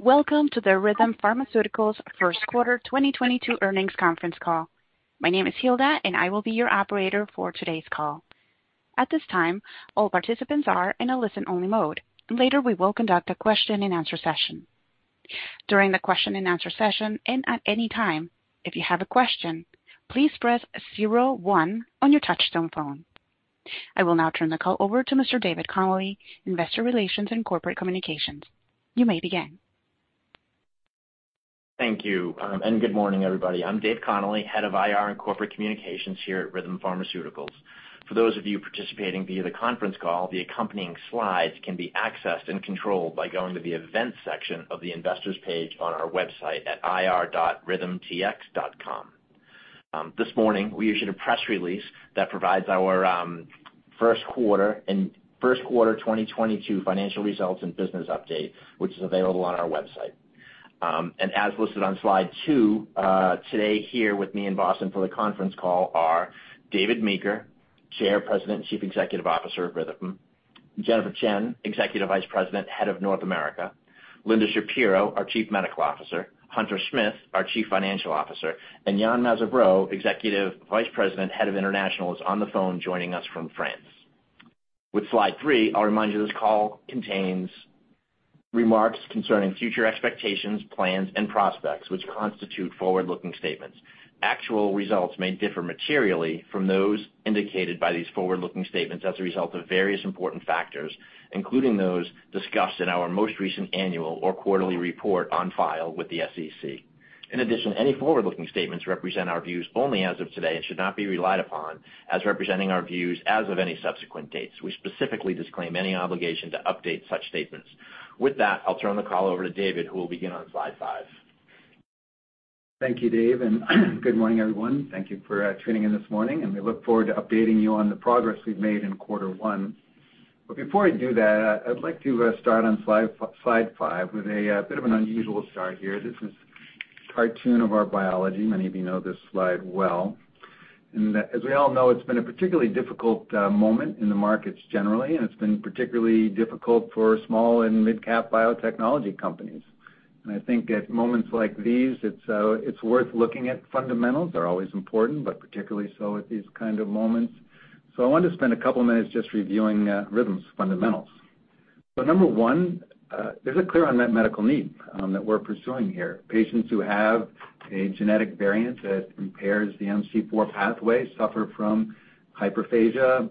Welcome to the Rhythm Pharmaceuticals first quarter 2022 earnings conference call. My name is Hilda, and I will be your operator for today's call. At this time, all participants are in a listen-only mode. Later, we will conduct a Q&A session. During the Q&A session and at any time, if you have a question, please press zero one on your touchtone phone. I will now turn the call over to Mr. David Connolly, Investor Relations and Corporate Communications. You may begin. Thank you, and good morning, everybody. I'm Dave Connolly, Head of IR and Corporate Communications here at Rhythm Pharmaceuticals. For those of you participating via the conference call, the accompanying slides can be accessed and controlled by going to the Events section of the Investors page on our website at ir.rhythm.com. This morning, we issued a press release that provides our first quarter and first quarter 2022 financial results and business update, which is available on our website. As listed on slide two, today, here with me in Boston for the conference call are David Meeker, Chair, President, Chief Executive Officer of Rhythm; Jennifer Chien, Executive Vice President, Head of North America; Linda Shapiro, our Chief Medical Officer; Hunter Smith, our Chief Financial Officer; and Yann Mazabraud, Executive Vice President, Head of International, is on the phone joining us from France. With slide three, I'll remind you this call contains remarks concerning future expectations, plans, and prospects, which constitute forward-looking statements. Actual results may differ materially from those indicated by these forward-looking statements as a result of various important factors, including those discussed in our most recent annual or quarterly report on file with the SEC. In addition, any forward-looking statements represent our views only as of today and should not be relied upon as representing our views as of any subsequent dates. We specifically disclaim any obligation to update such statements. With that, I'll turn the call over to David, who will begin on slide five. Thank you, Dave, and good morning, everyone. Thank you for tuning in this morning, and we look forward to updating you on the progress we've made in quarter one. Before I do that, I'd like to start on slide five with a bit of an unusual start here. This is a cartoon of our biology. Many of you know this slide well. As we all know, it's been a particularly difficult moment in the markets generally, and it's been particularly difficult for small and mid-cap biotechnology companies. I think at moments like these, it's worth looking at fundamentals. They're always important, but particularly so at these kind of moments. I want to spend a couple minutes just reviewing Rhythm's fundamentals. Number one, there's a clear unmet medical need that we're pursuing here. Patients who have a genetic variant that impairs the MC4 pathway suffer from hyperphagia,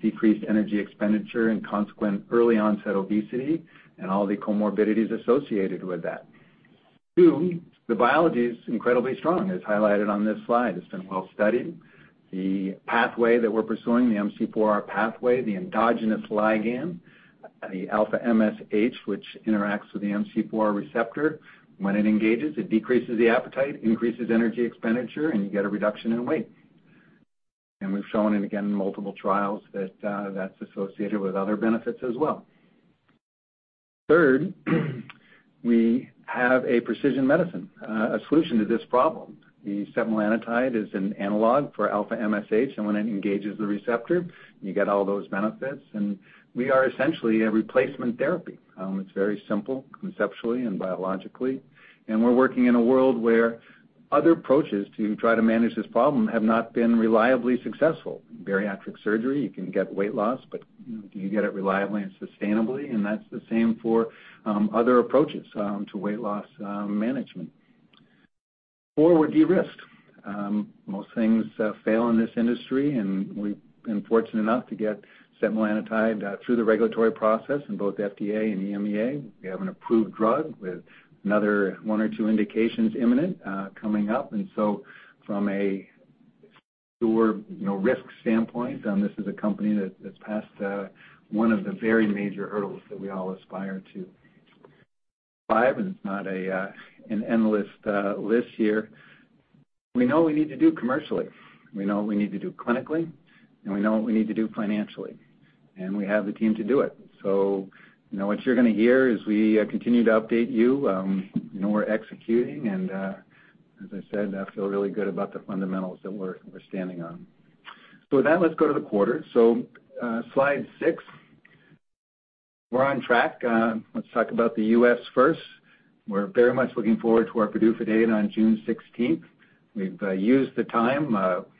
decreased energy expenditure, and consequent early onset obesity, and all the comorbidities associated with that. Two, the biology is incredibly strong, as highlighted on this slide. It's been well-studied. The pathway that we're pursuing, the MC4R pathway, the endogenous ligand, the alpha-MSH, which interacts with the MC4R receptor. When it engages, it decreases the appetite, increases energy expenditure, and you get a reduction in weight. We've shown it again in multiple trials that that's associated with other benefits as well. Third, we have a precision medicine, a solution to this problem. The setmelanotide is an analog for alpha-MSH, and when it engages the receptor, you get all those benefits. We are essentially a replacement therapy. It's very simple conceptually and biologically. We're working in a world where other approaches to try to manage this problem have not been reliably successful. Bariatric surgery, you can get weight loss, but do you get it reliably and sustainably? That's the same for other approaches to weight loss management. Four, we're de-risked. Most things fail in this industry, and we've been fortunate enough to get setmelanotide through the regulatory process in both FDA and EMEA. We have an approved drug with another one or two indications imminent coming up. From a sure, you know, risk standpoint, this is a company that's passed one of the very major hurdles that we all aspire to. Five, it's not an endless list here. We know what we need to do commercially. We know what we need to do clinically, and we know what we need to do financially, and we have the team to do it. You know what you're going to hear is we continue to update you. You know, we're executing and, as I said, I feel really good about the fundamentals that we're standing on. With that, let's go to the quarter. Slide six. We're on track. Let's talk about the U.S. first. We're very much looking forward to our PDUFA date on June 16th. We've used the time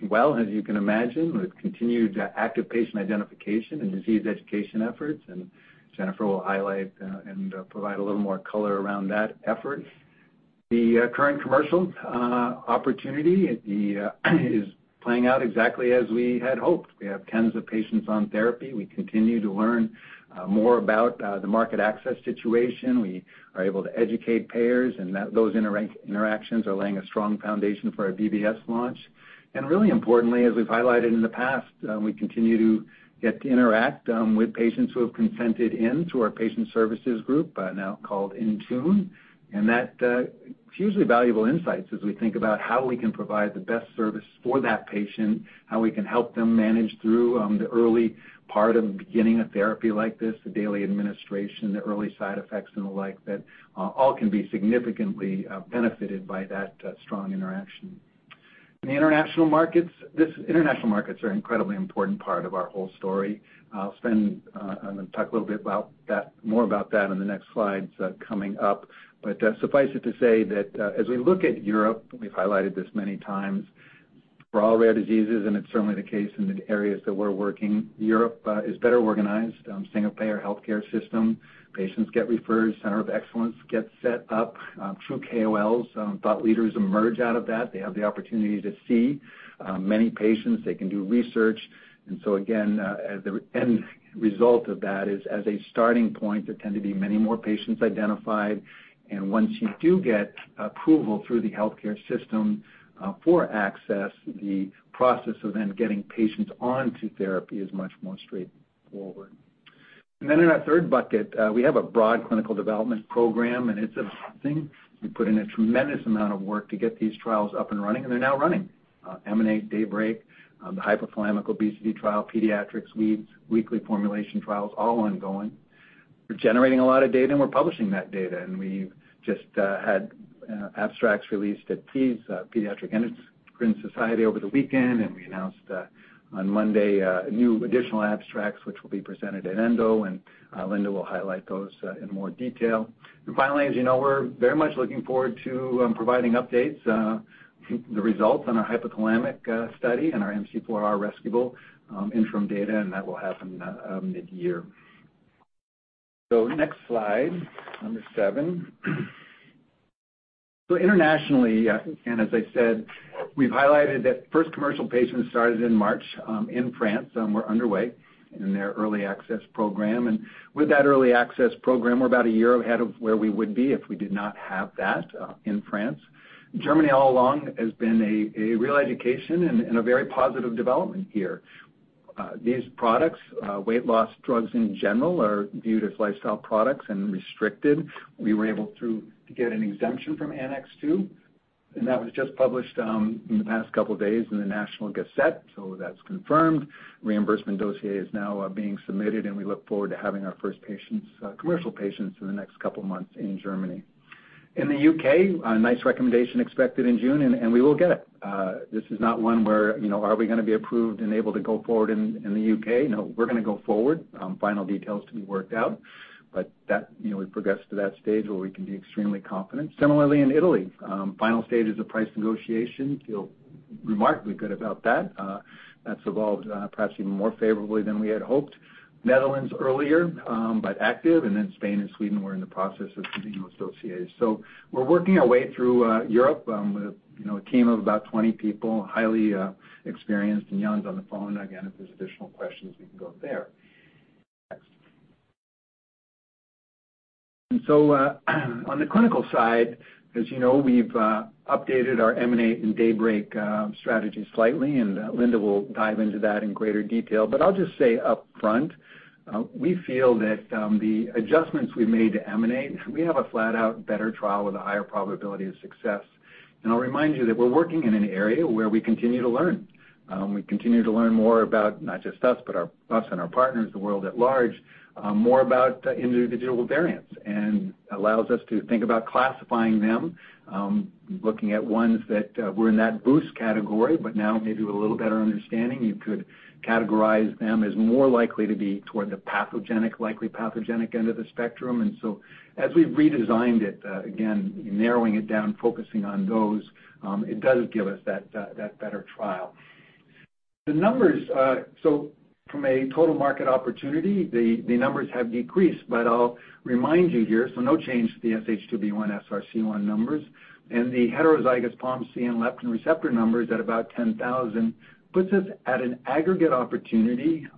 well, as you can imagine. We've continued active patient identification and disease education efforts, and Jennifer will highlight and provide a little more color around that effort. The current commercial opportunity is playing out exactly as we had hoped. We have tens of patients on therapy. We continue to learn more about the market access situation. We are able to educate payers and that those interactions are laying a strong foundation for our BBS launch. Really importantly, as we've highlighted in the past, we continue to get to interact with patients who have consented in to our patient services group, now called InTune. That hugely valuable insights as we think about how we can provide the best service for that patient, how we can help them manage through the early part of beginning a therapy like this, the daily administration, the early side effects and the like, that all can be significantly benefited by that strong interaction. In the international markets, these international markets are an incredibly important part of our whole story. I'm gonna talk a little bit about that, more about that on the next slides coming up. Suffice it to say that, as we look at Europe, we've highlighted this many times for all rare diseases, and it's certainly the case in the areas that we're working. Europe is better organized, single-payer healthcare system. Patients get referred, center of excellence gets set up, through KOLs. Thought leaders emerge out of that. They have the opportunity to see many patients. They can do research. Again, as the end result of that is, as a starting point, there tend to be many more patients identified. Once you do get approval through the healthcare system, for access, the process of then getting patients onto therapy is much more straightforward. In our third bucket, we have a broad clinical development program, and it's a thing. We put in a tremendous amount of work to get these trials up and running, and they're now running. EMANATE, DAYBREAK, the hypothalamic obesity trial, pediatrics, weeds, weekly formulation trials, all ongoing. We're generating a lot of data, and we're publishing that data. We've just had abstracts released at PES, Pediatric Endocrine Society over the weekend. We announced on Monday new additional abstracts, which will be presented at ENDO, and Linda will highlight those in more detail. Finally, as you know, we're very much looking forward to providing updates, the results on our hypothalamic study and our MC4R-rescuable interim data, and that will happen mid-year. Next slide, number seven. Internationally, and as I said, we've highlighted that first commercial patients started in March, in France and we're underway in their early access program. With that early access program, we're about a year ahead of where we would be if we did not have that, in France. Germany all along has been a real education and a very positive development here. These products, weight loss drugs in general are viewed as lifestyle products and restricted. We were able to get an exemption from Annex II, and that was just published in the past couple of days in the National Gazette. That's confirmed. Reimbursement dossier is now being submitted, and we look forward to having our first patients, commercial patients in the next couple of months in Germany. In the U.K., a NICE recommendation expected in June, and we will get it. This is not one where, you know, are we gonna be approved and able to go forward in the U.K.? No, we're gonna go forward, final details to be worked out. But that, you know, we progressed to that stage where we can be extremely confident. Similarly, in Italy, final stages of price negotiation. Feel remarkably good about that. That's evolved, perhaps even more favorably than we had hoped. Netherlands earlier, but active, and then Spain and Sweden, we're in the process of submitting those dossiers. We're working our way through Europe, with, you know, a team of about 20 people, highly experienced. Yann's on the phone. Again, if there's additional questions, we can go there. Next. On the clinical side, as you know, we've updated our EMANATE and DAYBREAK strategy slightly, and Linda will dive into that in greater detail. I'll just say up front, we feel that the adjustments we made to EMANATE, we have a flat-out better trial with a higher probability of success. I'll remind you that we're working in an area where we continue to learn. We continue to learn more about not just us, but our partners, the world at large, more about individual variants, and allows us to think about classifying them, looking at ones that were in that VUS category, but now maybe with a little better understanding, you could categorize them as more likely to be toward the pathogenic, likely pathogenic end of the spectrum. As we've redesigned it, again, narrowing it down, focusing on those, it does give us that better trial. The numbers, so from a total market opportunity, the numbers have decreased, but I'll remind you here, so no change to the SH2B1 SRC1 numbers. The heterozygous POMC and leptin receptor numbers at about 10,000 puts us at an aggregate opportunity,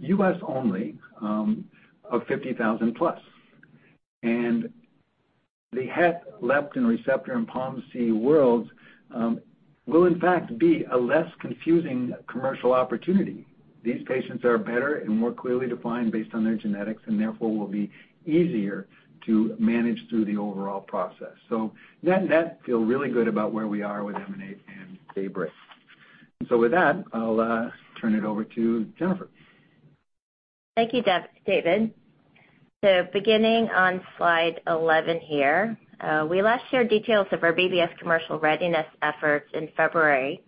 U.S. only, of 50,000+. The het leptin receptor and POMC worlds will in fact be a less confusing commercial opportunity. These patients are better and more clearly defined based on their genetics, and therefore will be easier to manage through the overall process. Net, feel really good about where we are with EMANATE and DAYBREAK. With that, I'll turn it over to Jennifer. Thank you, David. Beginning on slide 11 here, we last shared details of our BBS commercial readiness efforts in February.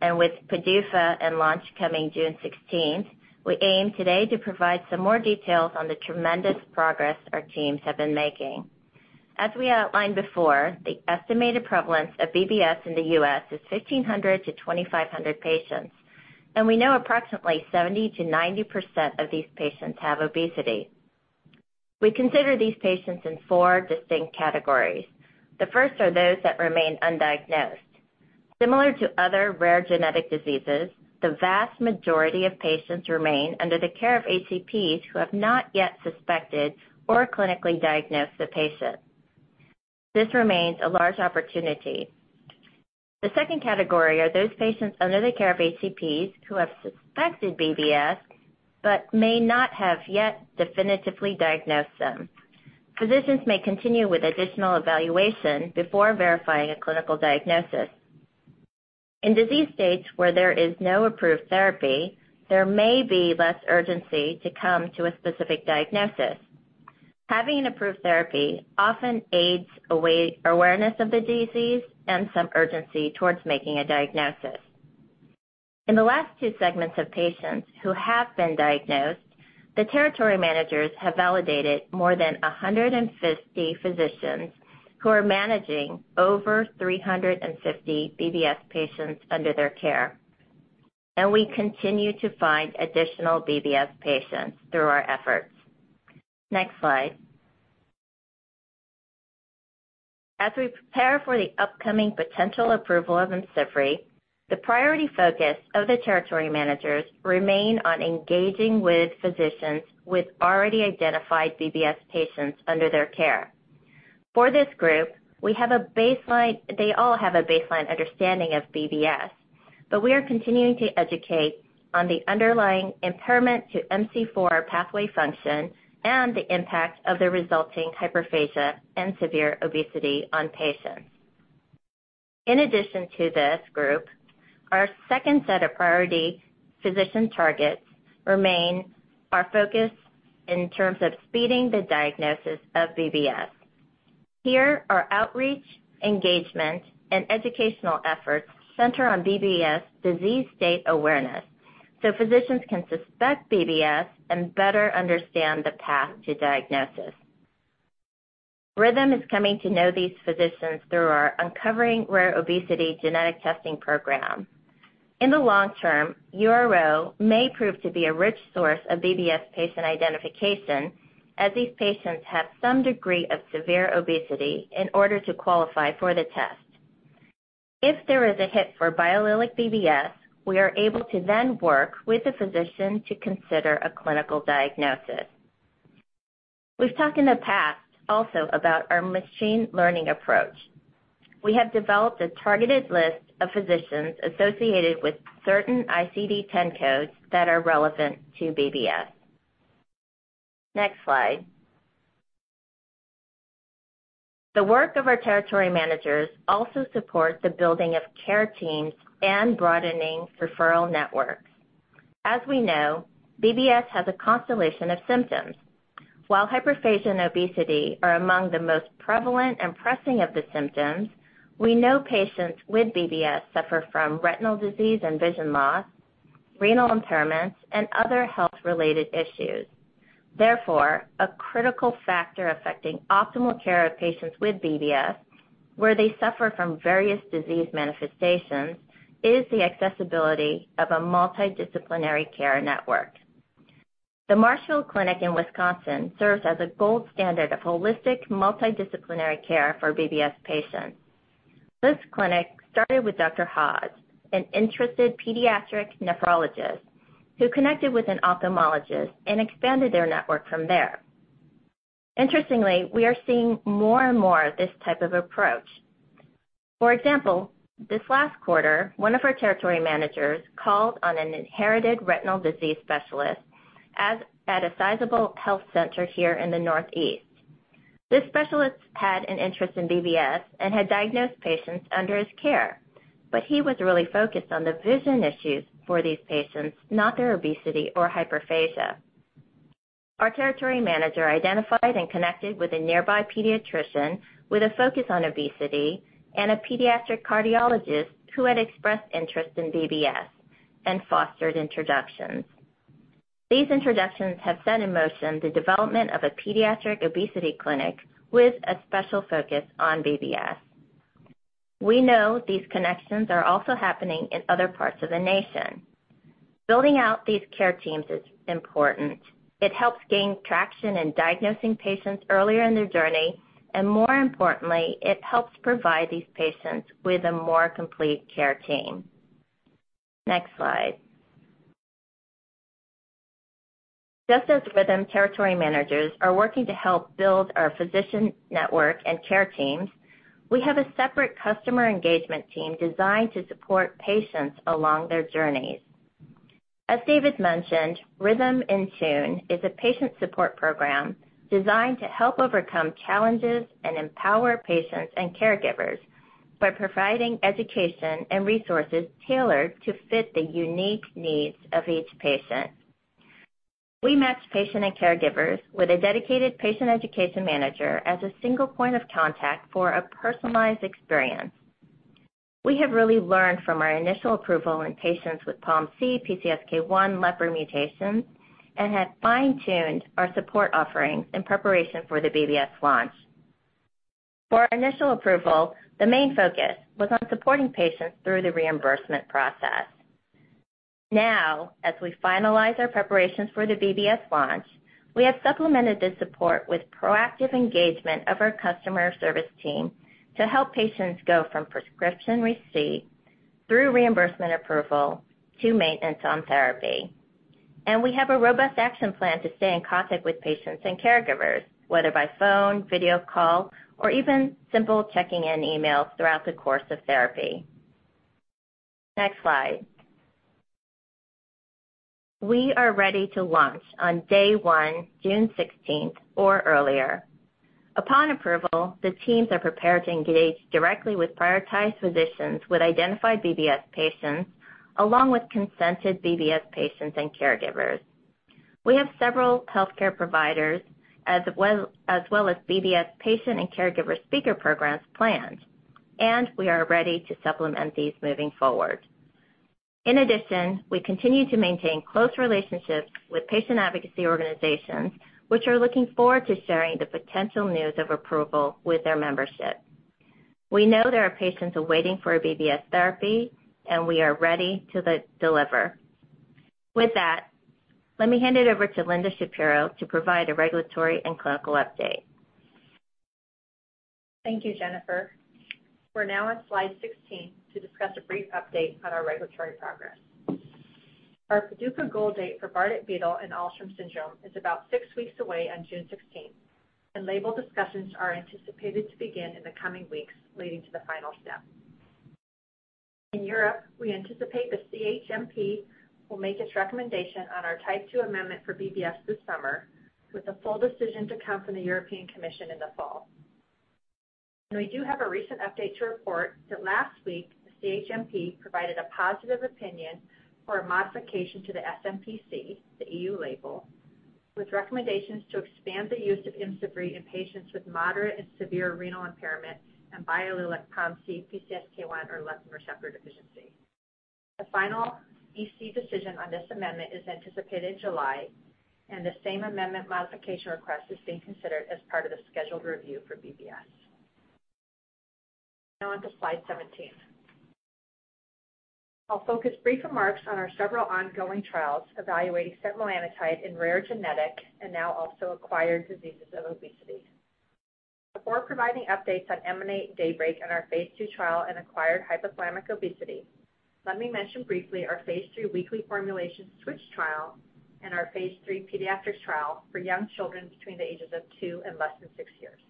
With PDUFA and launch coming June 16, we aim today to provide some more details on the tremendous progress our teams have been making. As we outlined before, the estimated prevalence of BBS in the U.S. is 1,500-2,500 patients, and we know approximately 70%-90% of these patients have obesity. We consider these patients in four distinct categories. The first are those that remain undiagnosed. Similar to other rare genetic diseases, the vast majority of patients remain under the care of HCPs who have not yet suspected or clinically diagnosed the patient. This remains a large opportunity. The second category are those patients under the care of HCPs who have suspected BBS but may not have yet definitively diagnosed them. Physicians may continue with additional evaluation before verifying a clinical diagnosis. In disease states where there is no approved therapy, there may be less urgency to come to a specific diagnosis. Having an approved therapy often aids awareness of the disease and some urgency towards making a diagnosis. In the last two segments of patients who have been diagnosed, the territory managers have validated more than 150 physicians who are managing over 350 BBS patients under their care, and we continue to find additional BBS patients through our efforts. Next slide. As we prepare for the upcoming potential approval of IMCIVREE, the priority focus of the territory managers remain on engaging with physicians with already identified BBS patients under their care. For this group, they all have a baseline understanding of BBS, but we are continuing to educate on the underlying impairment to MC4 pathway function and the impact of the resulting hyperphagia and severe obesity on patients. In addition to this group, our second set of priority physician targets remain our focus in terms of speeding the diagnosis of BBS. Here, our outreach, engagement, and educational efforts center on BBS disease state awareness, so physicians can suspect BBS and better understand the path to diagnosis. Rhythm is coming to know these physicians through our Uncovering Rare Obesity genetic testing program. In the long term, URO may prove to be a rich source of BBS patient identification, as these patients have some degree of severe obesity in order to qualify for the test. If there is a hit for biallelic BBS, we are able to then work with the physician to consider a clinical diagnosis. We've talked in the past also about our machine learning approach. We have developed a targeted list of physicians associated with certain ICD-10 codes that are relevant to BBS. Next slide. The work of our territory managers also supports the building of care teams and broadening referral networks. As we know, BBS has a constellation of symptoms. While hyperphagia and obesity are among the most prevalent and pressing of the symptoms, we know patients with BBS suffer from retinal disease and vision loss, renal impairments, and other health-related issues. Therefore, a critical factor affecting optimal care of patients with BBS, where they suffer from various disease manifestations, is the accessibility of a multidisciplinary care network. The Marshfield Clinic in Wisconsin serves as a gold standard of holistic, multidisciplinary care for BBS patients. This clinic started with Dr. Haws, an interested pediatric nephrologist, who connected with an ophthalmologist and expanded their network from there. Interestingly, we are seeing more and more of this type of approach. For example, this last quarter, one of our territory managers called on an inherited retinal disease specialist at a sizable health center here in the Northeast. This specialist had an interest in BBS and had diagnosed patients under his care, but he was really focused on the vision issues for these patients, not their obesity or hyperphagia. Our territory manager identified and connected with a nearby pediatrician with a focus on obesity and a pediatric cardiologist who had expressed interest in BBS and fostered introductions. These introductions have set in motion the development of a pediatric obesity clinic with a special focus on BBS. We know these connections are also happening in other parts of the nation. Building out these care teams is important. It helps gain traction in diagnosing patients earlier in their journey, and more importantly, it helps provide these patients with a more complete care team. Next slide. Just as Rhythm territory managers are working to help build our physician network and care teams, we have a separate customer engagement team designed to support patients along their journeys. As David mentioned, Rhythm InTune is a patient support program designed to help overcome challenges and empower patients and caregivers by providing education and resources tailored to fit the unique needs of each patient. We match patient and caregivers with a dedicated patient education manager as a single point of contact for a personalized experience. We have really learned from our initial approval in patients with POMC, PCSK1, LEPR mutations, and have fine-tuned our support offerings in preparation for the BBS launch. For our initial approval, the main focus was on supporting patients through the reimbursement process. Now, as we finalize our preparations for the BBS launch, we have supplemented the support with proactive engagement of our customer service team to help patients go from prescription receipt through reimbursement approval to maintenance on therapy. We have a robust action plan to stay in contact with patients and caregivers, whether by phone, video call, or even simple checking in emails throughout the course of therapy. Next slide. We are ready to launch on day one, June 16th or earlier. Upon approval, the teams are prepared to engage directly with prioritized physicians with identified BBS patients, along with consented BBS patients and caregivers. We have several healthcare providers as well as BBS patient and caregiver speaker programs planned, and we are ready to supplement these moving forward. In addition, we continue to maintain close relationships with patient advocacy organizations, which are looking forward to sharing the potential news of approval with their membership. We know there are patients awaiting for a BBS therapy, and we are ready to deliver. With that, let me hand it over to Linda Shapiro to provide a regulatory and clinical update. Thank you, Jennifer. We're now on slide 16 to discuss a brief update on our regulatory progress. Our PDUFA goal date for Bardet-Biedl and Alström syndrome is about six weeks away on June 16th, and label discussions are anticipated to begin in the coming weeks, leading to the final step. In Europe, we anticipate the CHMP will make its recommendation on our Type Two amendment for BBS this summer, with a full decision to come from the European Commission in the fall. We do have a recent update to report that last week, the CHMP provided a positive opinion for a modification to the SmPC, the EU label, with recommendations to expand the use of IMCIVREE in patients with moderate and severe renal impairment and biallelic POMC, PCSK1 or leptin receptor deficiency. The final EC decision on this amendment is anticipated in July, and the same amendment modification request is being considered as part of the scheduled review for BBS. Now onto slide 17. I'll focus brief remarks on our several ongoing trials evaluating setmelanotide in rare genetic and now also acquired diseases of obesity. Before providing updates on EMANATE, DAYBREAK, and our phase II trial in acquired hypothalamic obesity, let me mention briefly our phase III weekly formulation switch trial and our phase III pediatric trial for young children between the ages of two and less than six years.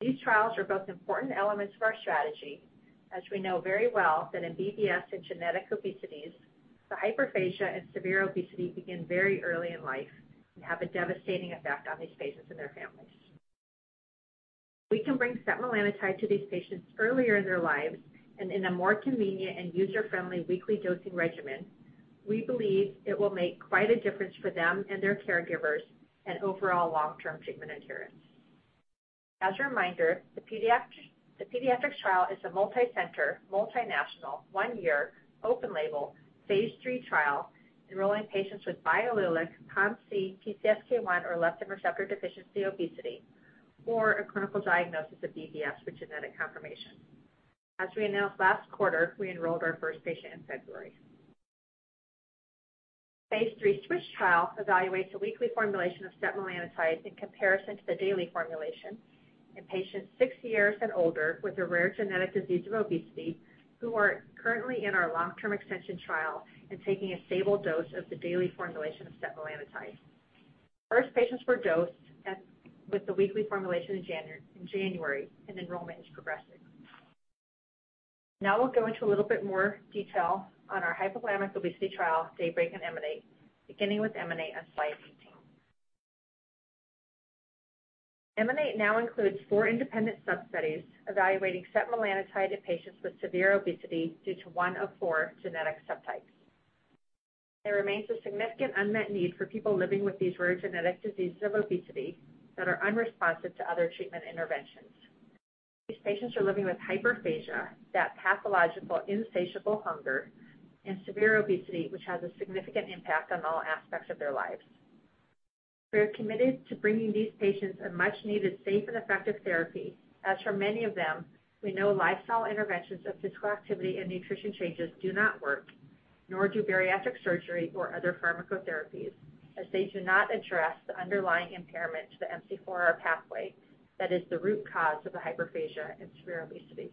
These trials are both important elements of our strategy, as we know very well that in BBS and genetic obesities, the hyperphagia and severe obesity begin very early in life and have a devastating effect on these patients and their families. If we can bring setmelanotide to these patients earlier in their lives and in a more convenient and user-friendly weekly dosing regimen, we believe it will make quite a difference for them and their caregivers and overall long-term treatment adherence. As a reminder, the pediatrics trial is a multicenter, multinational, one-year, open-label, phase III trial enrolling patients with biallelic POMC, PCSK1, or leptin receptor deficiency obesity, or a clinical diagnosis of BBS with genetic confirmation. As we announced last quarter, we enrolled our first patient in February. Phase III switch trial evaluates a weekly formulation of setmelanotide in comparison to the daily formulation in patients six years and older with a rare genetic disease of obesity who are currently in our long-term extension trial and taking a stable dose of the daily formulation of setmelanotide. First patients were dosed with the weekly formulation in January, and enrollment is progressing. Now we'll go into a little bit more detail on our hypothalamic obesity trial, DAYBREAK and EMANATE, beginning with EMANATE on slide 18. EMANATE now includes four independent sub-studies evaluating setmelanotide in patients with severe obesity due to one of four genetic subtypes. There remains a significant unmet need for people living with these rare genetic diseases of obesity that are unresponsive to other treatment interventions. These patients are living with hyperphagia, that pathological insatiable hunger, and severe obesity, which has a significant impact on all aspects of their lives. We are committed to bringing these patients a much-needed safe and effective therapy, as for many of them, we know lifestyle interventions of physical activity and nutrition changes do not work, nor do bariatric surgery or other pharmacotherapies, as they do not address the underlying impairment to the MC4R pathway that is the root cause of the hyperphagia and severe obesity.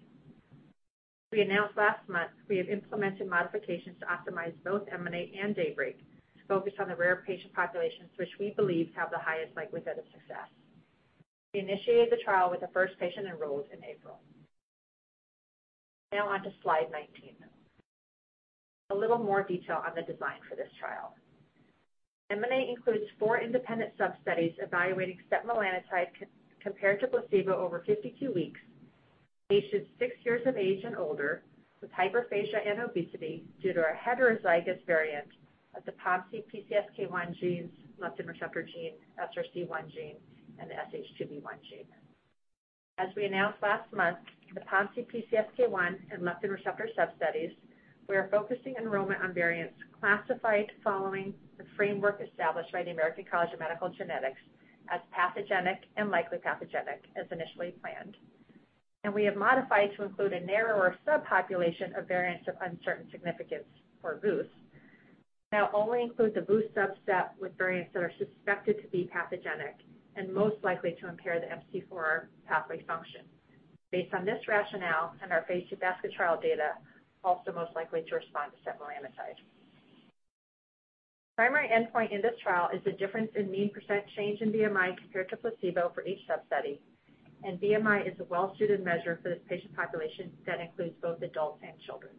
As we announced last month, we have implemented modifications to optimize both EMANATE and DAYBREAK to focus on the rare patient populations which we believe have the highest likelihood of success. We initiated the trial with the first patient enrolled in April. Now on to slide 19. A little more detail on the design for this trial. EMANATE includes four independent sub-studies evaluating setmelanotide compared to placebo over 52 weeks in patients six years of age and older with hyperphagia and obesity due to a heterozygous variant of the POMC, PCSK1 genes, leptin receptor gene, SRC1 gene, and the SH2B1 gene. As we announced last month, the POMC, PCSK1 and leptin receptor sub-studies, we are focusing enrollment on variants classified following the framework established by the American College of Medical Genetics and Genomics as pathogenic and likely pathogenic as initially planned. We have modified to include a narrower subpopulation of variants of uncertain significance for VUS. Now only include the VUS subset with variants that are suspected to be pathogenic and most likely to impair the MC4R pathway function. Based on this rationale and our phase II BASKET trial data, also most likely to respond to setmelanotide. Primary endpoint in this trial is the difference in mean % change in BMI compared to placebo for each sub-study, and BMI is a well-suited measure for this patient population that includes both adults and children.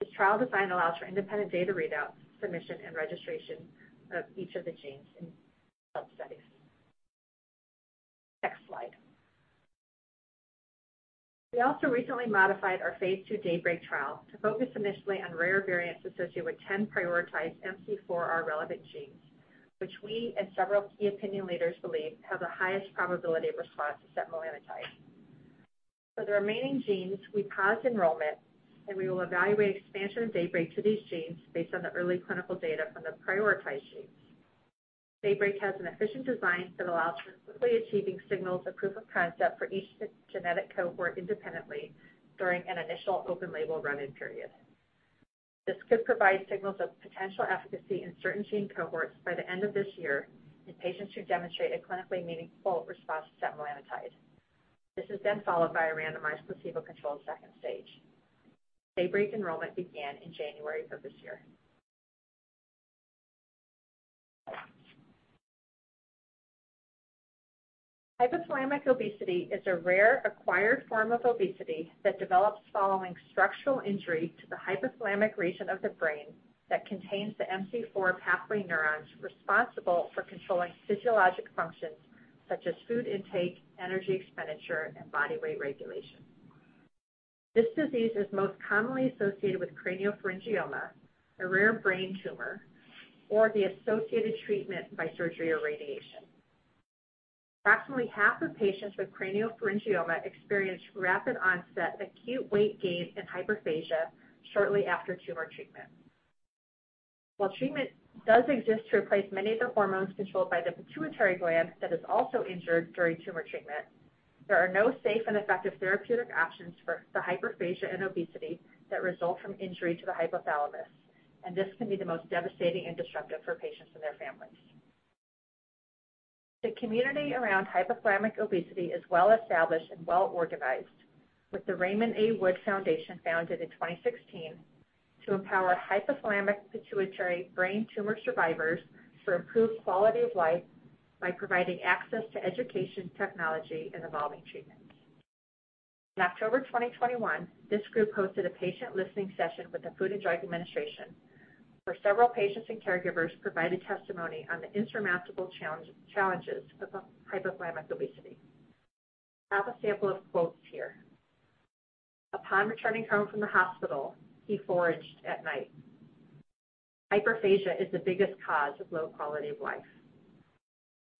This trial design allows for independent data readout, submission, and registration of each of the genes in sub-studies. Next slide. We also recently modified our phase II DAYBREAK trial to focus initially on rare variants associated with 10 prioritized MC4R-relevant genes, which we and several key opinion leaders believe have the highest probability of response to setmelanotide. For the remaining genes, we paused enrollment, and we will evaluate expansion of DAYBREAK to these genes based on the early clinical data from the prioritized genes. DAYBREAK has an efficient design that allows for quickly achieving signals of proof of concept for each genetic cohort independently during an initial open label run-in period. This could provide signals of potential efficacy and certainty in cohorts by the end of this year in patients who demonstrate a clinically meaningful response to setmelanotide. This is then followed by a randomized placebo-controlled second stage. DAYBREAK enrollment began in January of this year. Hypothalamic obesity is a rare acquired form of obesity that develops following structural injury to the hypothalamic region of the brain that contains the MC4 pathway neurons responsible for controlling physiologic functions such as food intake, energy expenditure, and body weight regulation. This disease is most commonly associated with craniopharyngioma, a rare brain tumor, or the associated treatment by surgery or radiation. Approximately half of patients with craniopharyngioma experience rapid onset acute weight gain and hyperphagia shortly after tumor treatment. While treatment does exist to replace many of the hormones controlled by the pituitary gland that is also injured during tumor treatment, there are no safe and effective therapeutic options for the hyperphagia and obesity that result from injury to the hypothalamus, and this can be the most devastating and disruptive for patients and their families. The community around hypothalamic obesity is well established and well organized with the Raymond A. Wood Foundation, founded in 2016 to empower hypothalamic pituitary brain tumor survivors for improved quality of life by providing access to education, technology, and evolving treatments. In October 2021, this group hosted a patient listening session with the Food and Drug Administration, where several patients and caregivers provided testimony on the insurmountable challenges of hypothalamic obesity. I have a sample of quotes here. Upon returning home from the hospital, he foraged at night." "Hyperphagia is the biggest cause of low quality of life."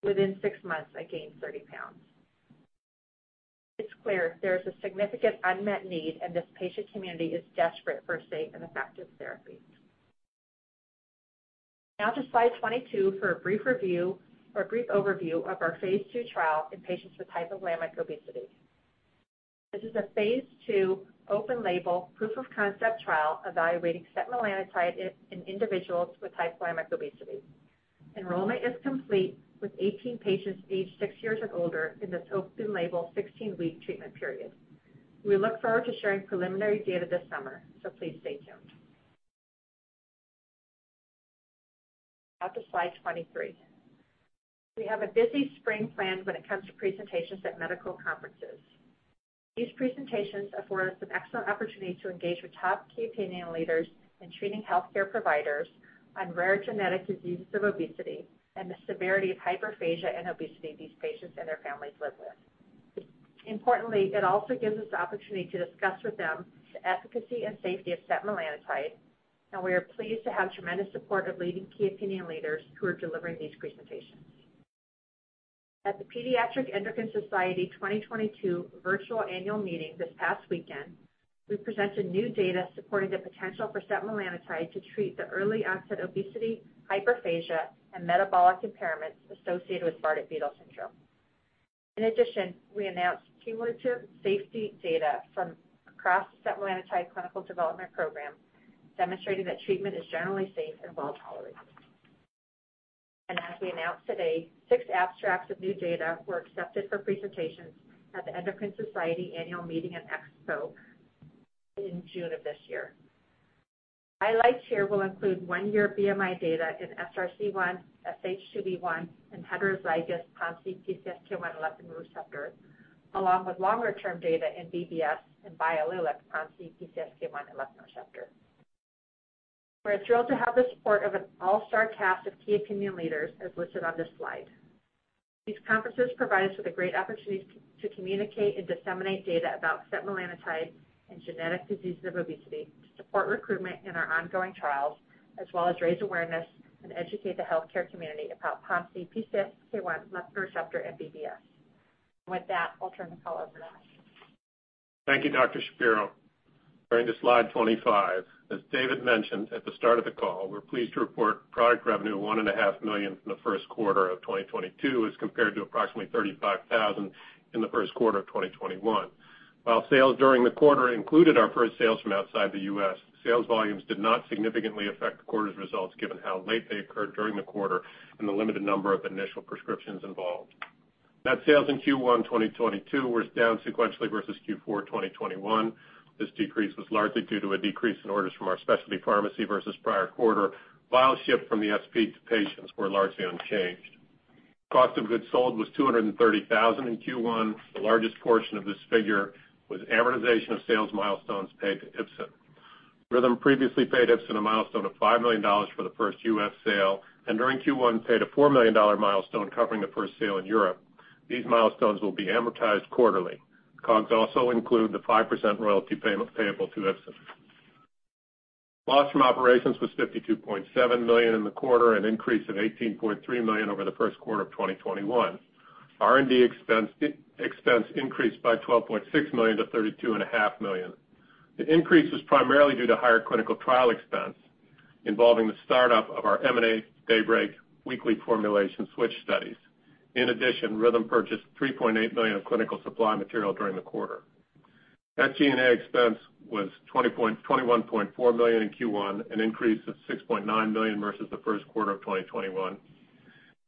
"Within six months, I gained 30 lbs." It's clear there is a significant unmet need, and this patient community is desperate for a safe and effective therapy. Now to slide 22 for a brief review or a brief overview of our phase II trial in patients with hypothalamic obesity. This is a phase II open label proof of concept trial evaluating setmelanotide in individuals with hypothalamic obesity. Enrollment is complete with 18 patients aged six years and older in this open label 16-week treatment period. We look forward to sharing preliminary data this summer, so please stay tuned. Now to slide 23. We have a busy spring planned when it comes to presentations at medical conferences. These presentations afford us an excellent opportunity to engage with top key opinion leaders and treating healthcare providers on rare genetic diseases of obesity and the severity of hyperphagia and obesity these patients and their families live with. Importantly, it also gives us the opportunity to discuss with them the efficacy and safety of setmelanotide, and we are pleased to have tremendous support of leading key opinion leaders who are delivering these presentations. At the Pediatric Endocrine Society 2022 virtual annual meeting this past weekend, we presented new data supporting the potential for setmelanotide to treat the early onset obesity, hyperphagia, and metabolic impairments associated with Bardet-Biedl syndrome. In addition, we announced cumulative safety data from across the setmelanotide clinical development program, demonstrating that treatment is generally safe and well-tolerated. As we announced today, six abstracts of new data were accepted for presentations at the Endocrine Society Annual Meeting & Expo in June of this year. Highlights here will include one-year BMI data in SRC1, SH2B1, and heterozygous POMC, PCSK1, LEPR, along with longer-term data in BBS and biallelic POMC, PCSK1, LEPR. We're thrilled to have the support of an all-star cast of key opinion leaders, as listed on this slide. These conferences provide us with a great opportunity to communicate and disseminate data about setmelanotide and genetic diseases of obesity to support recruitment in our ongoing trials, as well as raise awareness and educate the healthcare community about POMC, PCSK1, LEPR and BBS. With that, I'll turn the call over to Hunter. Thank you, Dr. Shapiro. Turning to slide 25, as David mentioned at the start of the call, we're pleased to report product revenue of $1.5 million in the first quarter of 2022 as compared to approximately $35,000 in the first quarter of 2021. While sales during the quarter included our first sales from outside the U.S., sales volumes did not significantly affect the quarter's results given how late they occurred during the quarter and the limited number of initial prescriptions involved. Net sales in Q1 2022 were down sequentially versus Q4 2021. This decrease was largely due to a decrease in orders from our specialty pharmacy versus prior quarter, while shipments from the SP to patients were largely unchanged. Cost of goods sold was $230,000 in Q1. The largest portion of this figure was amortization of sales milestones paid to Ipsen. Rhythm previously paid Ipsen a milestone of $5 million for the first U.S. sale, and during Q1, paid a $4 million milestone covering the first sale in Europe. These milestones will be amortized quarterly. COGS also include the 5% royalty payment payable to Ipsen. Loss from operations was $52.7 million in the quarter, an increase of $18.3 million over the first quarter of 2021. R&D expense increased by $12.6 million-$32.5 million. The increase was primarily due to higher clinical trial expense involving the startup of our MC4R and Alström DAYBREAK weekly formulation switch studies. In addition, Rhythm purchased $3.8 million of clinical supply material during the quarter. SG&A expense was $21.4 million in Q1, an increase of $6.9 million versus the first quarter of 2021.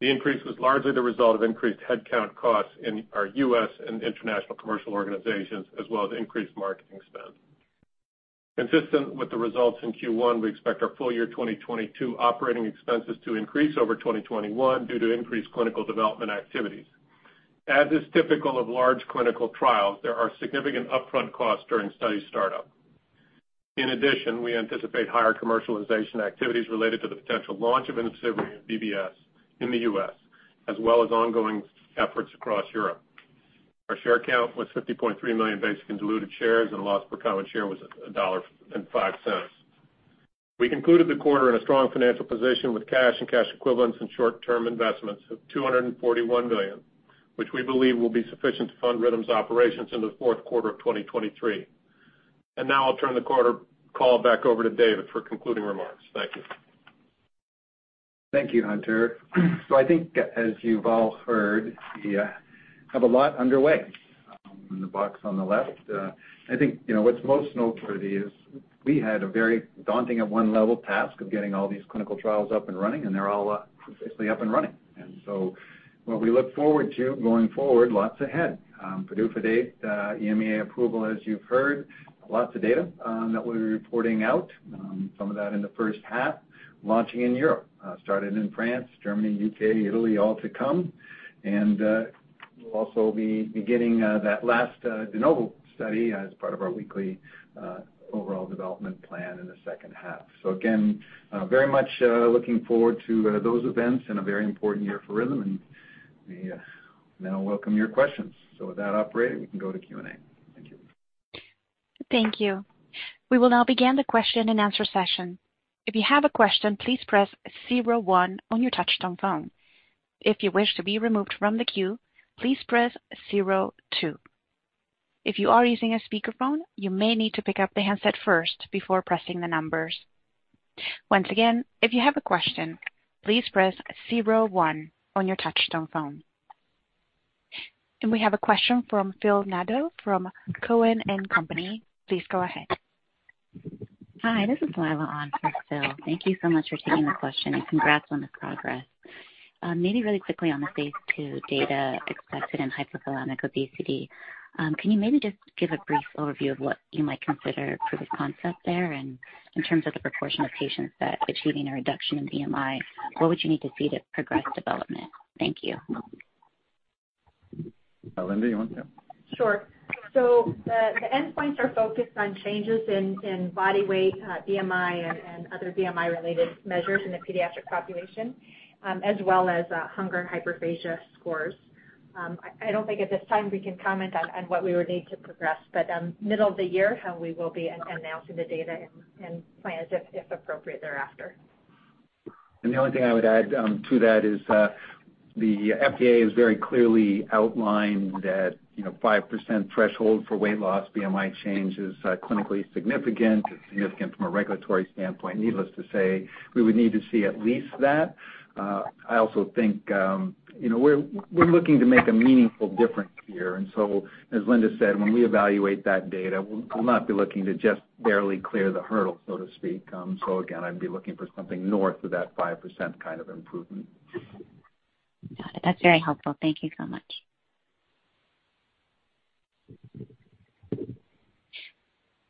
The increase was largely the result of increased headcount costs in our U.S. and international commercial organizations, as well as increased marketing spend. Consistent with the results in Q1, we expect our full year 2022 operating expenses to increase over 2021 due to increased clinical development activities. As is typical of large clinical trials, there are significant upfront costs during study startup. In addition, we anticipate higher commercialization activities related to the potential launch of IMCIVREE and BBS in the U.S., as well as ongoing efforts across Europe. Our share count was 50.3 million basic and diluted shares, and loss per common share was $1.05. We concluded the quarter in a strong financial position with cash and cash equivalents and short-term investments of $241 million, which we believe will be sufficient to fund Rhythm's operations in the fourth quarter of 2023. Now I'll turn the call back over to David for concluding remarks. Thank you. Thank you, Hunter. I think as you've all heard, we have a lot underway in the box on the left. I think, you know, what's most noteworthy is we had a very daunting, at one level, task of getting all these clinical trials up and running, and they're all successfully up and running. What we look forward to going forward, lots ahead. PDUFA date, EMEA approval, as you've heard, lots of data that we'll be reporting out, some of that in the first half. Launching in Europe, starting in France, Germany, U.K., Italy, all to come. We'll also be beginning that last de novo study as part of our weekly overall development plan in the second half. Again, very much looking forward to those events and a very important year for Rhythm, and we now welcome your questions. With that operator, we can go to Q&A. Thank you. Thank you. We will now begin the Q&A session. If you have a question, please press zero one on your touchtone phone. If you wish to be removed from the queue, please press zero two. If you are using a speakerphone, you may need to pick up the handset first before pressing the numbers. Once again, if you have a question, please press zero one on your touchtone phone. We have a question from Phil Nadeau from Cowen and Company. Please go ahead. Hi, this is Lila on for Phil. Thank you so much for taking the question, and congrats on this progress. Maybe really quickly on the phase II data accepted in hypothalamic obesity. Can you maybe just give a brief overview of what you might consider proof of concept there? In terms of the proportion of patients that achieving a reduction in BMI, what would you need to see to progress development? Thank you. Linda, you want to? Sure. The endpoints are focused on changes in body weight, BMI and other BMI-related measures in the pediatric population, as well as hunger and hyperphagia scores. I don't think at this time we can comment on what we would need to progress. Middle of the year, we will be announcing the data and plans if appropriate thereafter. The only thing I would add to that is the FDA has very clearly outlined that, you know, 5% threshold for weight loss, BMI change is clinically significant. It's significant from a regulatory standpoint. Needless to say, we would need to see at least that. I also think, you know, we're looking to make a meaningful difference here. As Linda said, when we evaluate that data, we'll not be looking to just barely clear the hurdle, so to speak. Again, I'd be looking for something north of that 5% kind of improvement. Got it. That's very helpful. Thank you so much.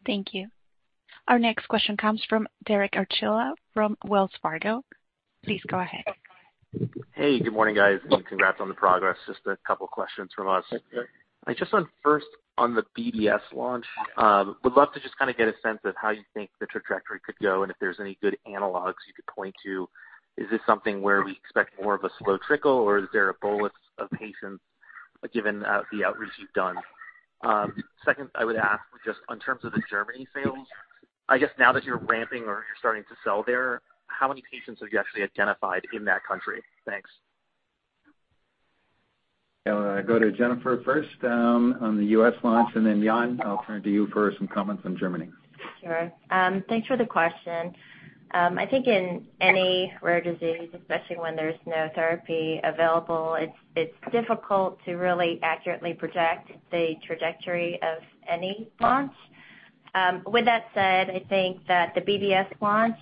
Thank you. Our next question comes from Derek Archila from Wells Fargo. Please go ahead. Hey, good morning, guys, and congrats on the progress. Just a couple questions from us. Hi, Derek. Just on first, on the BBS launch, would love to just kind of get a sense of how you think the trajectory could go and if there's any good analogs you could point to. Is this something where we expect more of a slow trickle, or is there a bolus of patients given the outreach you've done? Second, I would ask just in terms of the Germany sales. I guess now that you're ramping or you're starting to sell there, how many patients have you actually identified in that country? Thanks. I'll go to Jennifer first on the U.S. launch, and then Yann, I'll turn to you for some comments on Germany. Sure. Thanks for the question. I think in any rare disease, especially when there's no therapy available, it's difficult to really accurately project the trajectory of any launch. With that said, I think that the BBS launch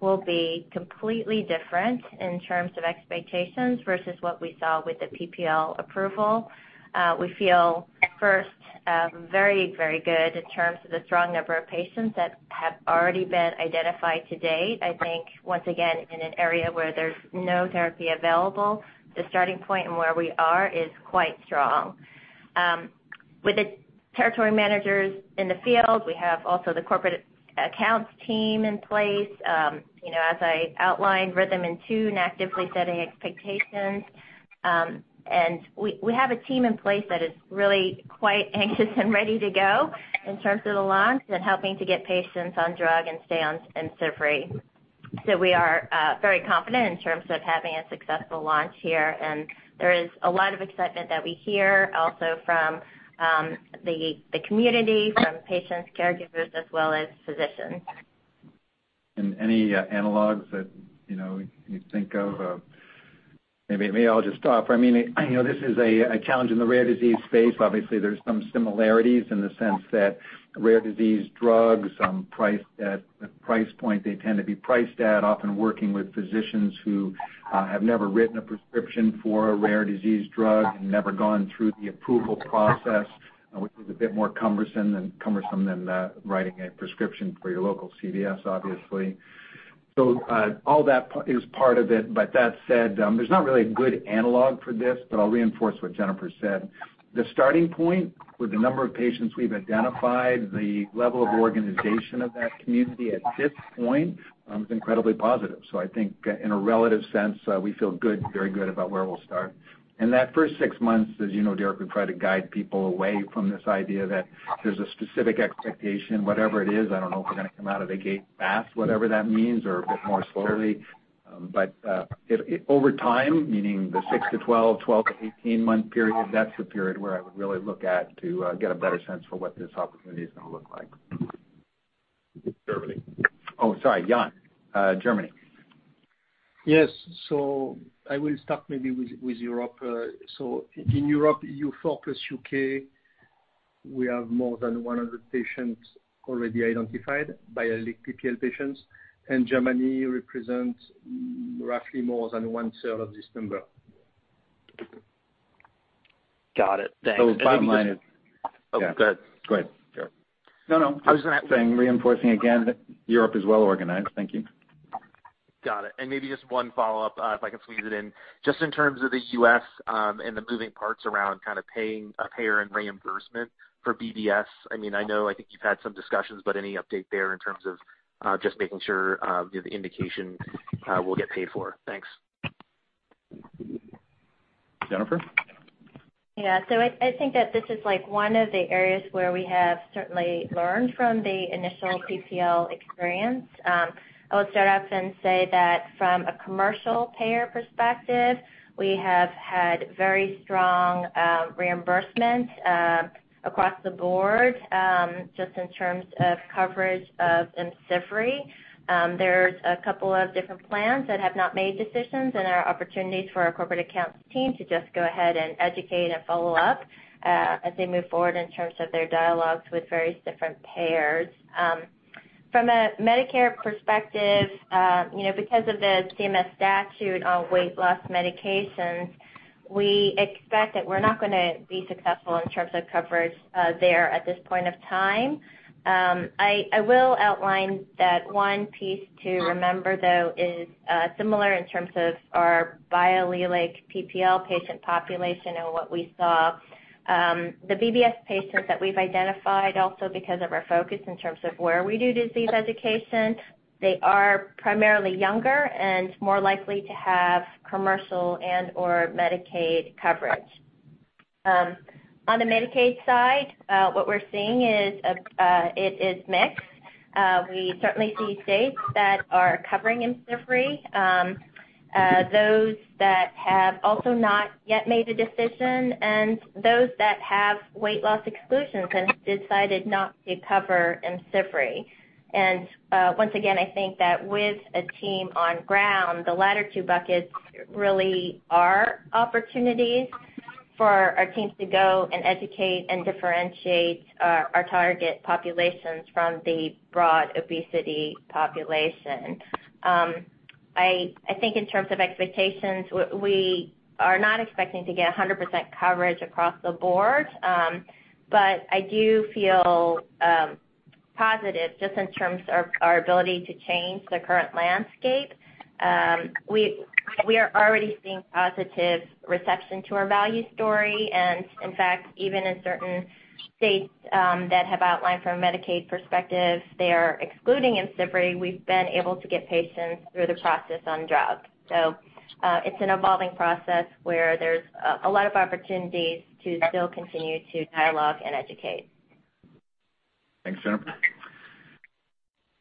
will be completely different in terms of expectations versus what we saw with the PPL approval. We feel at first very good in terms of the strong number of patients that have already been identified to date. I think, once again, in an area where there's no therapy available, the starting point and where we are is quite strong. With the territory managers in the field, we have also the corporate accounts team in place. You know, as I outlined, Rhythm InTune actively setting expectations. We have a team in place that is really quite anxious and ready to go in terms of the launch and helping to get patients on drug and stay on IMCIVREE. We are very confident in terms of having a successful launch here, and there is a lot of excitement that we hear also from the community, from patients, caregivers, as well as physicians. Any analogs that, you know, you think of? Maybe I'll just stop. I mean, you know, this is a challenge in the rare disease space. Obviously, there's some similarities in the sense that rare disease drugs at the price point they tend to be priced at, often working with physicians who have never written a prescription for a rare disease drug and never gone through the approval process, which is a bit more cumbersome than writing a prescription for your local CVS, obviously. All that is part of it, but that said, there's not really a good analog for this, but I'll reinforce what Jennifer said. The starting point with the number of patients we've identified, the level of organization of that community at this point, is incredibly positive. I think in a relative sense, we feel good, very good about where we'll start. That first 6 months, as you know, Derek, we try to guide people away from this idea that there's a specific expectation. Whatever it is, I don't know if we're gonna come out of the gate fast, whatever that means, or a bit more slowly. Over time, meaning the 6-12, 12-18-month period, that's the period where I would really look at to get a better sense for what this opportunity is gonna look like. Germany. Oh, sorry. Yann, Germany. Yes. I will start maybe with Europe. In Europe, E.U. Four plus U.K., we have more than 100 patients already identified by eligible patients. And Germany represents roughly more than 1/3 of this number. Got it. Thank you. Okay. Great. No, no. I was going to have to hang really important again. Europe is well organized. Thank you. Got it. And maybe just one follow-up, if I could please it in. Just in terms of the QS and the moving parts around kind of paying a payer and reimbursement for BDS, I mean, I know I think you've had some discussions, but any update there in terms of just making sure the indication will get paid for? Thanks. Jennifer? Yeah. I think that this is, like, one of the areas where we have certainly learned from the initial PPL experience. I would start off and say that from a commercial payer perspective, we have had very strong reimbursement across the board, just in terms of coverage of IMCIVREE. There's a couple of different plans that have not made decisions and are opportunities for our corporate accounts team to just go ahead and educate and follow up, as they move forward in terms of their dialogues with various different payers. From a Medicare perspective, you know, because of the CMS statute on weight loss medications, we expect that we're not gonna be successful in terms of coverage there at this point of time. I will outline that one piece to remember, though, is similar in terms of our biallelic PPL patient population and what we saw. The BBS patients that we've identified also because of our focus in terms of where we do disease education, they are primarily younger and more likely to have commercial and/or Medicaid coverage. On the Medicaid side, what we're seeing is, it is mixed. We certainly see states that are covering IMCIVREE, those that have also not yet made a decision and those that have weight loss exclusions and decided not to cover IMCIVREE. Once again, I think that with a team on ground, the latter two buckets really are opportunities for our teams to go and educate and differentiate our target populations from the broad obesity population. I think in terms of expectations, we are not expecting to get 100% coverage across the board, but I do feel positive just in terms of our ability to change the current landscape. We are already seeing positive reception to our value story, and in fact, even in certain states that have outlined from a Medicaid perspective, they are excluding IMCIVREE, we've been able to get patients through the process on drug. It's an evolving process where there's a lot of opportunities to still continue to dialogue and educate. Thanks, Jennifer.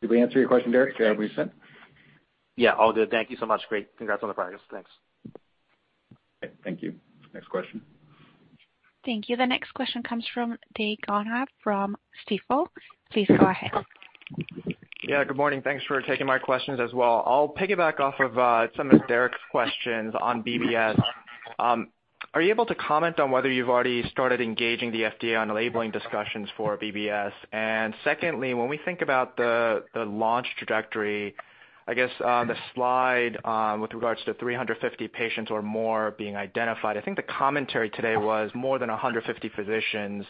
Did we answer your question, Derek? Did I miss it? Yeah. All good. Thank you so much. Great. Congrats on the progress. Thanks. Okay. Thank you. Next question. Thank you. The next question comes from Dae Gon Ha from Stifel. Please go ahead. Yeah, good morning. Thanks for taking my questions as well. I'll piggyback off of some of Derek's questions on BBS. Are you able to comment on whether you've already started engaging the FDA on labeling discussions for BBS? Secondly, when we think about the launch trajectory, I guess the slide with regards to 350 patients or more being identified, I think the commentary today was more than 150 physicians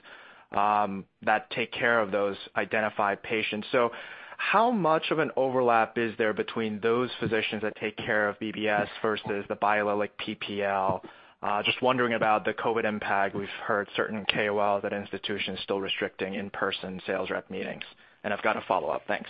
that take care of those identified patients. How much of an overlap is there between those physicians that take care of BBS versus the biallelic PPL? Just wondering about the COVID impact. We've heard certain KOLs at institutions still restricting in-person sales rep meetings. I've got a follow-up. Thanks.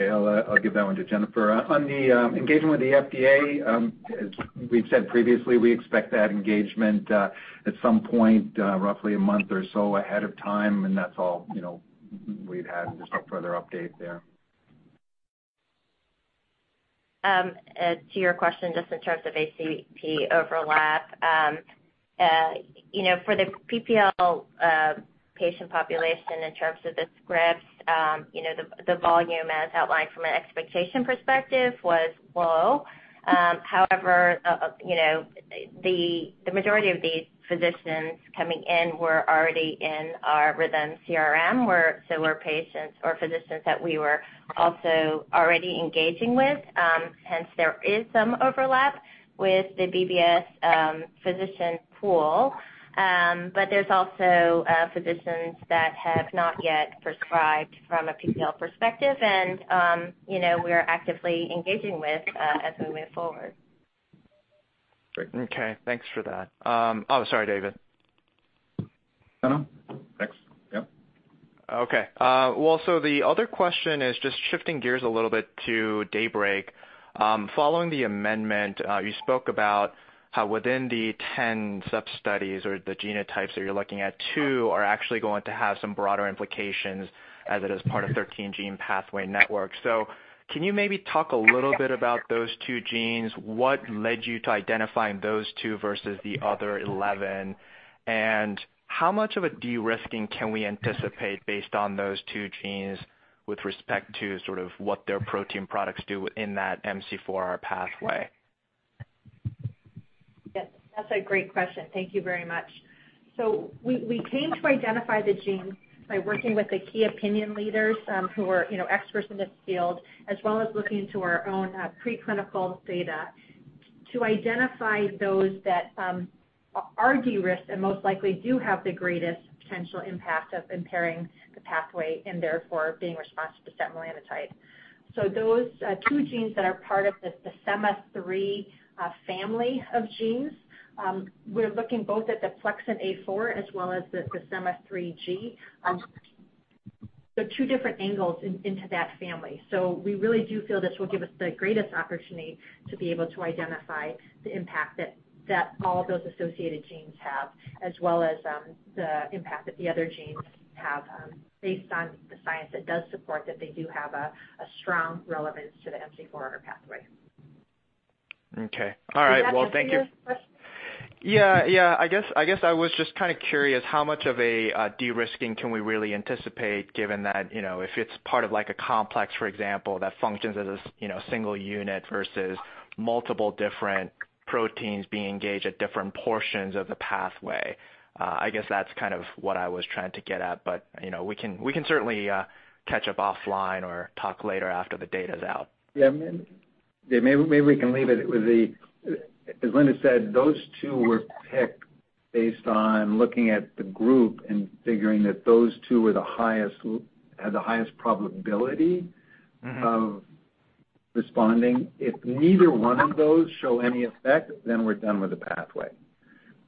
Okay. I'll give that one to Jennifer. On the engagement with the FDA, as we've said previously, we expect that engagement at some point roughly a month or so ahead of time, and that's all, you know, we've had. There's no further update there. To your question, just in terms of ACP overlap, you know, for the PPL patient population in terms of the scripts, you know, the volume as outlined from an expectation perspective was low. However, you know, the majority of these physicians coming in were already in our Rhythm CRM, were similar patients or physicians that we were also already engaging with, hence there is some overlap with the BBS physician pool. But there's also physicians that have not yet prescribed from a PPL perspective and, you know, we are actively engaging with as we move forward. Great. Okay, thanks for that. Sorry, David. No, no. Thanks. Yep. Okay. Well, so the other question is just shifting gears a little bit to DAYBREAK. Following the amendment, you spoke about how within the 10 sub-studies or the genotypes that you're looking at, two are actually going to have some broader implications as it is part of 13 gene pathway network. Can you maybe talk a little bit about those two genes? What led you to identifying those two versus the other 11? And how much of a de-risking can we anticipate based on those two genes with respect to sort of what their protein products do within that MC4R pathway? Yes, that's a great question. Thank you very much. We came to identify the gene by working with the key opinion leaders, who are, you know, experts in this field, as well as looking to our own preclinical data to identify those that are de-risked and most likely do have the greatest potential impact of impairing the pathway and therefore being responsive to setmelanotide. Those two genes that are part of the SEMA3 family of genes, we're looking both at the PLXNA4 as well as the SEMA3G. Two different angles into that family. We really do feel this will give us the greatest opportunity to be able to identify the impact that all of those associated genes have, as well as the impact that the other genes have, based on the science that does support that they do have a strong relevance to the MC4R pathway. Okay. All right. Well, thank you. Did that answer your question? Yeah, yeah. I guess I was just kind of curious how much of a de-risking can we really anticipate given that, you know, if it's part of, like, a complex, for example, that functions as a single unit versus multiple different proteins being engaged at different portions of the pathway. I guess that's kind of what I was trying to get at, but, you know, we can certainly catch up offline or talk later after the data's out. Yeah. Maybe we can leave it with the. As Linda said, those two were picked based on looking at the group and figuring that those two were the highest, had the highest probability. Mm-hmm of responding. If neither one of those show any effect, then we're done with the pathway.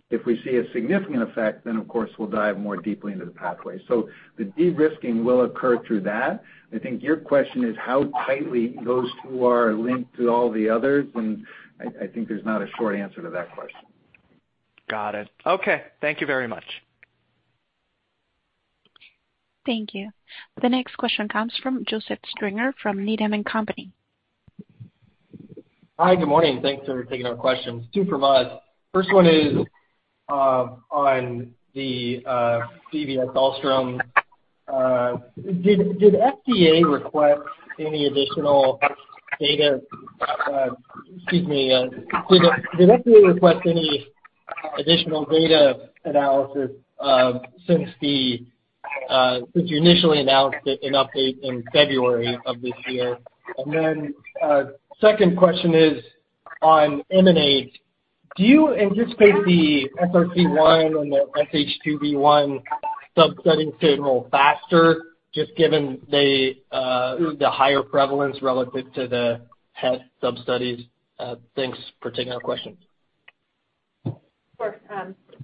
If we see a significant effect, then of course we'll dive more deeply into the pathway. The de-risking will occur through that. I think your question is how tightly those two are linked to all the others, and I think there's not a short answer to that question. Got it. Okay. Thank you very much. Thank you. The next question comes from Joseph Stringer from Needham & Company. Hi. Good morning. Thanks for taking our questions. Two from us. First one is on the BBS and Alström syndrome. Did FDA request any additional data analysis since you initially announced it in update in February of this year? Second question is on EMANATE. Do you anticipate the SRC1 and the SH2B1 subsetting to enroll faster just given the higher prevalence relative to the HES sub-studies? Thanks for taking our questions. Sure.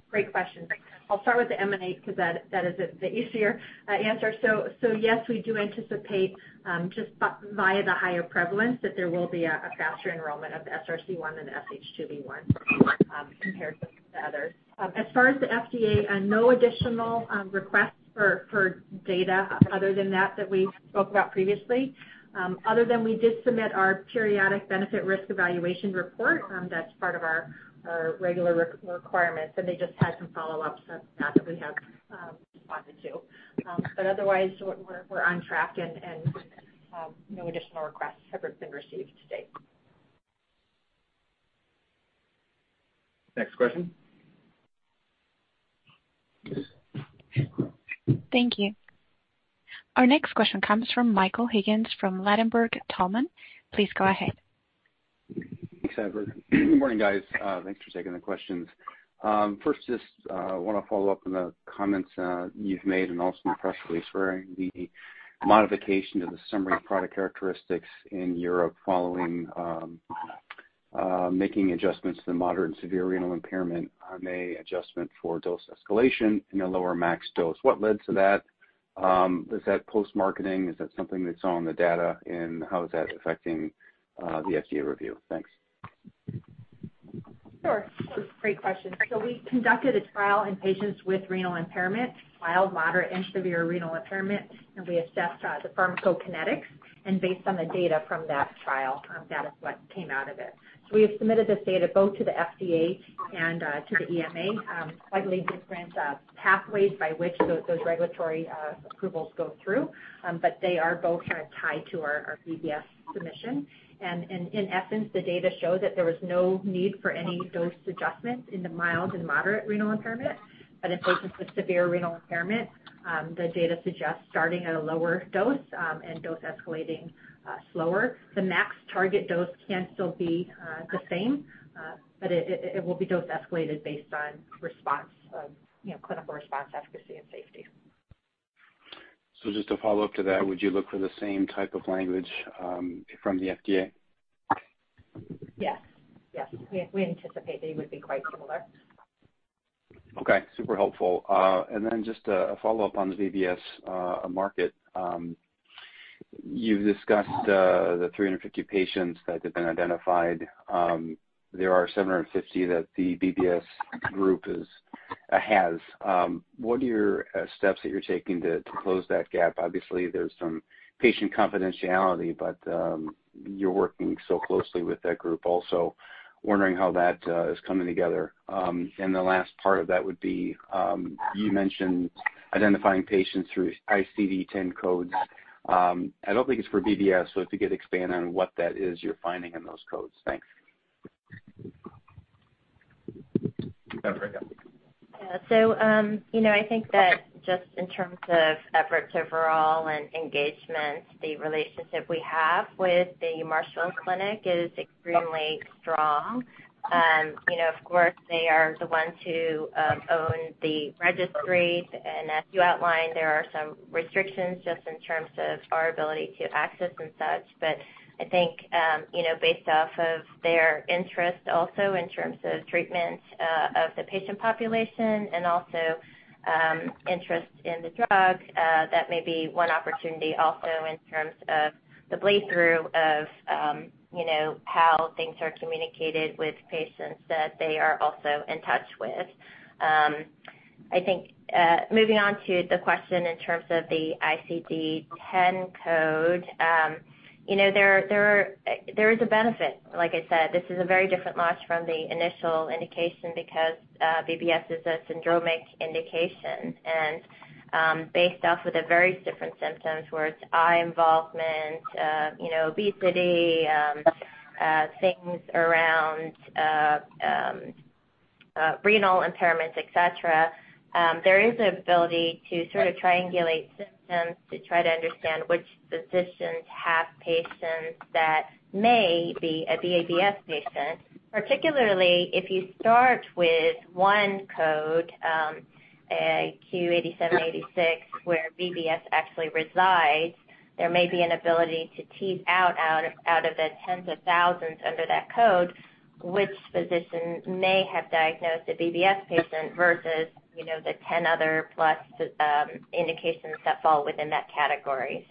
Great questions. I'll start with the EMANATE 'cause that is the easier answer. Yes, we do anticipate via the higher prevalence that there will be a faster enrollment of SRC1 and SH2B1 compared to the others. As far as the FDA, no additional requests for data other than that we spoke about previously. Other than we did submit our periodic benefit risk evaluation report, that's part of our regular requirements, and they just had some follow-ups on that that we have responded to. Otherwise we're on track and no additional requests have been received to date. Next question. Thank you. Our next question comes from Michael Higgins from Ladenburg Thalmann. Please go ahead. Thanks, Everett. Good morning, guys. Thanks for taking the questions. First, just want to follow up on the comments you've made and also the press release where the modification to the summary of product characteristics in Europe following making adjustments to the moderate and severe renal impairment MA adjustment for dose escalation and a lower max dose. What led to that? Is that post-marketing? Is that something that's on the data? And how is that affecting the FDA review? Thanks. Sure. Great question. We conducted a trial in patients with renal impairment, mild, moderate, and severe renal impairment, and we assessed the pharmacokinetics. Based on the data from that trial, that is what came out of it. We have submitted this data both to the FDA and to the EMA. Slightly different pathways by which those regulatory approvals go through. They are both kind of tied to our BBS submission. In essence, the data show that there was no need for any dose adjustment in the mild and moderate renal impairment. In patients with severe renal impairment, the data suggests starting at a lower dose and dose escalating slower. The max target dose can still be the same, but it will be dose escalated based on response of, you know, clinical response efficacy and safety. Just to follow up to that, would you look for the same type of language from the FDA? Yes. We anticipate they would be quite similar. Okay. Super helpful. Just a follow-up on the BBS market. You've discussed the 350 patients that have been identified. There are 750 that the BBS group has. What are your steps that you're taking to close that gap? Obviously, there's some patient confidentiality, but you're working so closely with that group also. Wondering how that is coming together. The last part of that would be, you mentioned identifying patients through ICD-10 codes. I don't think it's for BBS, so if you could expand on what that is you're finding in those codes. Thanks. You know, I think that just in terms of efforts overall and engagement, the relationship we have with the Marshfield Clinic is extremely strong. You know, of course, they are the ones who own the registry. And as you outlined, there are some restrictions just in terms of our ability to access and such. But I think, you know, based off of their interest also in terms of treatment, of the patient population and also, interest in the drug, that may be one opportunity also in terms of the bleed through of, you know, how things are communicated with patients that they are also in touch with. I think, moving on to the question in terms of the ICD-10 code, you know, there is a benefit. Like I said, this is a very different launch from the initial indication because BBS is a syndromic indication. Based off of the various different symptoms, whether it's eye involvement, you know, obesity, things around renal impairments, et cetera, there is an ability to sort of triangulate symptoms to try to understand which physicians have patients that may be a BBS patient. Particularly, if you start with one code, a Q87.83, where BBS actually resides, there may be an ability to tease out of the tens of thousands under that code which physician may have diagnosed a BBS patient versus, you know, the 10 other plus indications that fall within that category.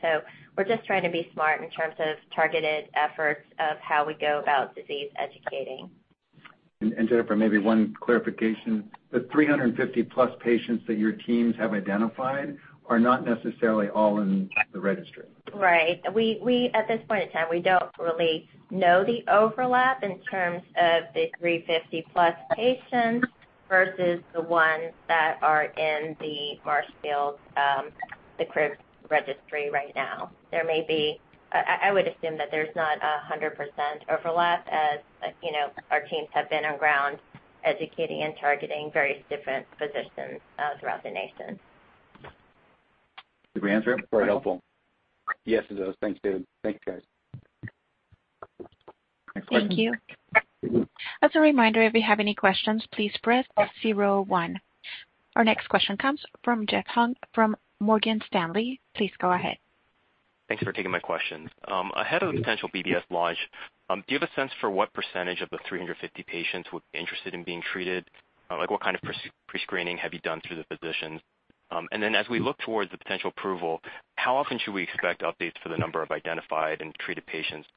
We're just trying to be smart in terms of targeted efforts of how we go about disease educating. Jennifer, maybe one clarification. The 350+ patients that your teams have identified are not necessarily all in the registry? Right. We at this point in time, we don't really know the overlap in terms of the 350+ patients versus the ones that are in the Marshfield Clinic, the CRIBBS registry right now. There may be. I would assume that there's not 100% overlap as, you know, our teams have been on the ground educating and targeting various different physicians throughout the nation. Did we answer it? Very helpful. Yes, it does. Thanks, David. Thank you, guys. Thank you. As a reminder, if you have any questions, please press zero one. Our next question comes from Jeff Huang from Morgan Stanley. Please go ahead. Thanks for taking my questions. Ahead of the potential BBS launch, do you have a sense for what percentage of the 350 patients would be interested in being treated? Like, what kind of prescreening have you done through the physicians? Then as we look towards the potential approval, how often should we expect updates for the number of identified and treated patients,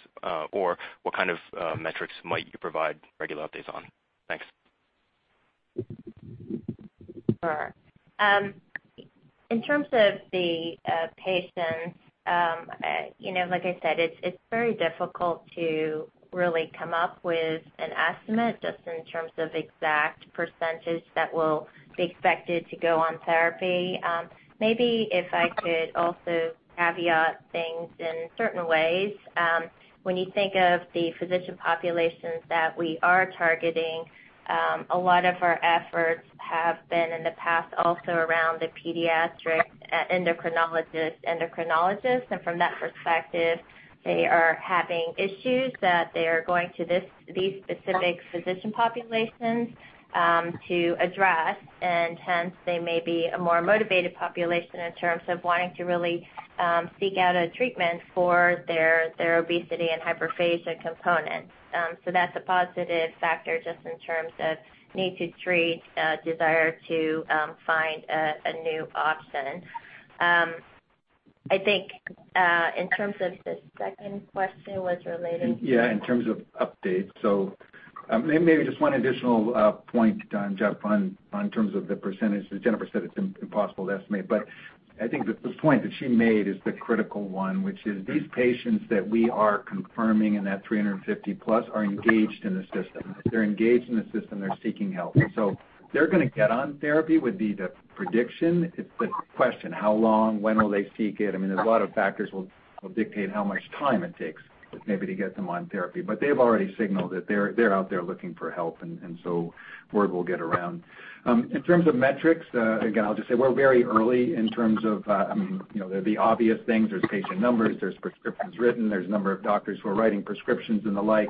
or what kind of metrics might you provide regular updates on? Thanks. Sure. In terms of the patients, you know, like I said, it's very difficult to really come up with an estimate just in terms of exact percentage that will be expected to go on therapy. Maybe if I could also caveat things in certain ways. When you think of the physician populations that we are targeting, a lot of our efforts have been in the past also around the pediatric endocrinologists. From that perspective, they are having issues that they are going to these specific physician populations to address. Hence, they may be a more motivated population in terms of wanting to really seek out a treatment for their obesity and hyperphagia components. That's a positive factor just in terms of need to treat, desire to find a new option. I think, in terms of the second question was relating to Yeah, in terms of updates. Maybe just one additional point, Jeff, on terms of the percentage. As Jennifer said, it's impossible to estimate, but I think the point that she made is the critical one, which is these patients that we are confirming in that 350+ are engaged in the system. They're engaged in the system, they're seeking help. They're gonna get on therapy would be the prediction. It's the question, how long? When will they seek it? I mean, there's a lot of factors will dictate how much time it takes maybe to get them on therapy. They've already signaled that they're out there looking for help, and so word will get around. In terms of metrics, again, I'll just say we're very early in terms of, I mean, you know, the obvious things. There's patient numbers, there's prescriptions written, there's number of doctors who are writing prescriptions and the like.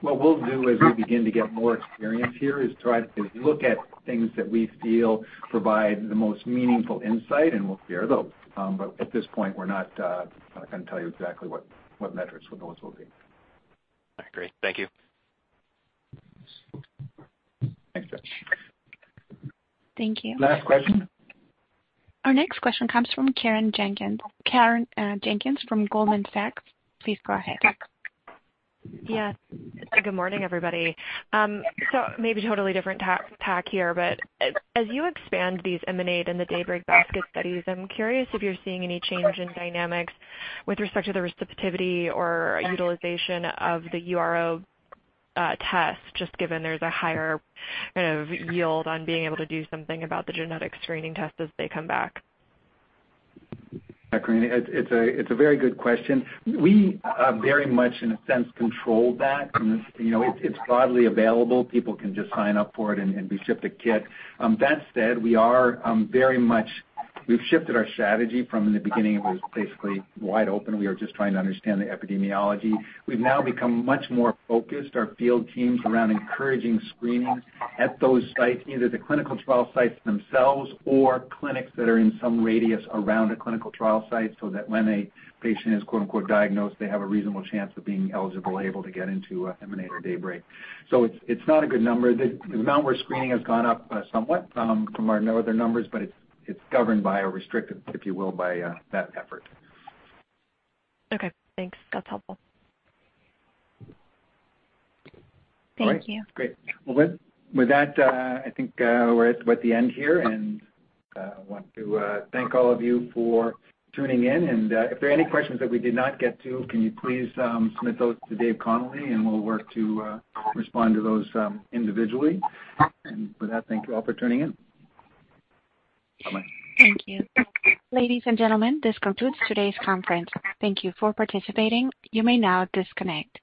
What we'll do as we begin to get more experience here is try to look at things that we feel provide the most meaningful insight, and we'll share those. But at this point, we're not, I couldn't tell you exactly what metrics or those will be. All right, great. Thank you. Thanks, Jeff. Thank you. Last question. Our next question comes from Corinne Jenkins. Corinne Jenkins from Goldman Sachs, please go ahead. Yes. Good morning, everybody. Maybe totally different tack here, but as you expand these EMANATE and the DAYBREAK Basket studies, I'm curious if you're seeing any change in dynamics with respect to the receptivity or utilization of the URO test, just given there's a higher kind of yield on being able to do something about the genetic screening test as they come back. Yeah, Corinne, it's a very good question. We very much in a sense control that. You know, it's broadly available. People can just sign up for it and be shipped a kit. That said, we are very much. We've shifted our strategy from in the beginning, it was basically wide open. We are just trying to understand the epidemiology. We've now become much more focused our field teams around encouraging screening at those sites, either the clinical trial sites themselves or clinics that are in some radius around a clinical trial site, so that when a patient is quote-unquote diagnosed, they have a reasonable chance of being eligible, able to get into EMANATE or DAYBREAK. So it's not a good number. The amount we're screening has gone up somewhat from our known other numbers, but it's governed by or restricted, if you will, by that effort. Okay, thanks. That's helpful. Thank you. Great. Well, with that, I think we're at about the end here, and want to thank all of you for tuning in. If there are any questions that we did not get to, can you please submit those to Dave Connolly, and we'll work to respond to those individually. With that, thank you all for tuning in. Bye-bye. Thank you. Ladies and gentlemen, this concludes today's conference. Thank you for participating. You may now disconnect.